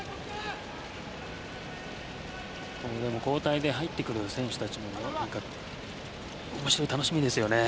交代で入ってくる選手たちも楽しみですよね。